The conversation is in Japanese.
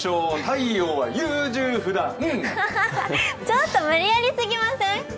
ちょっと無理やりすぎません？